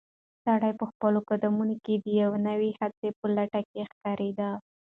سړی په خپلو قدمونو کې د یوې نوې هڅې په لټه کې ښکارېده.